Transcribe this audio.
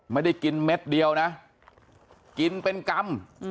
ไม่ได้กินเม็ดเดียวนะกินเป็นกรรม